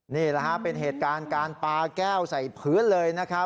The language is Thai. นี่เป็นเหตุการณ์การป่าแก้วใส่พื้นเลยครับ